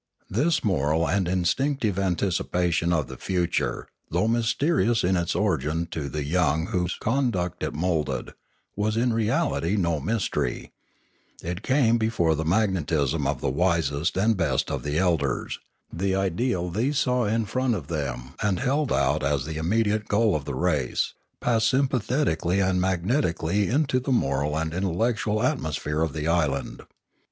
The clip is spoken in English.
This moral and instinctive antici pation of the future, though mysterious in its origin to the young whose conduct it moulded, was in reality no mystery; it came from the magnetism of the wisest and best of the elders; the ideal these saw in front of them and held out as the immediate goal of the race, passed sympathetically and magnetically into the moral and intellectual atmosphere of the island.